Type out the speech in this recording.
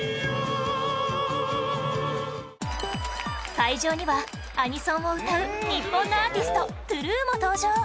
会場には、アニソンを歌う日本のアーティスト ＴＲＵＥ も登場